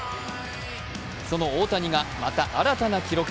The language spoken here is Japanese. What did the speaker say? その大谷がまた、新たな記録。